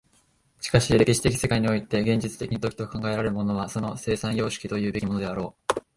しかし歴史的世界において現実的に時と考えられるものはその生産様式というべきものであろう。